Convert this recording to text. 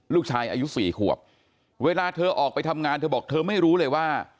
ลูกชายอายุ๔ขวบเวลาเธอออกไปทำงานเธอบอกเธอไม่รู้เลยว่า